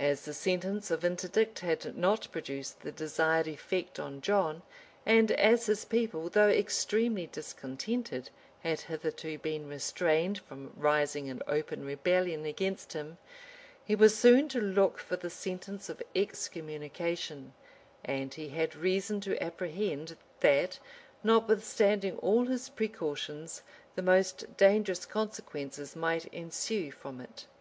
As the sentence of interdict had not produced the desired effect on John, and as his people, though extremely discontented had hitherto been restrained from rising in open rebellion against him, he was soon to look for the sentence of excommunication; and he had reason to apprehend, that, notwithstanding all his precautions, the most dangerous consequences might ensue from it.